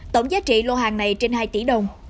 tổng giá trị lô hàng này trên hai tỷ đồng